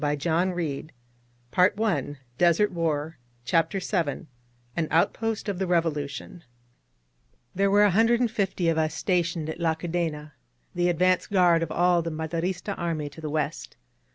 ••• AN OUTPOST OF THE REVOLUTION CHAPTER Vn AN OUTPOST OF THE REVOLUTION THERE were a hundred and fifty of us stationed at La Cadena, the advance gui^rd of all the Maderista army to the West.